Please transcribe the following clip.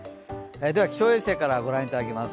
気象衛星から御覧いただきます。